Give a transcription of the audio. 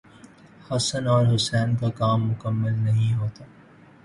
حسن اور حسین کا کام مکمل نہیں ہوتا۔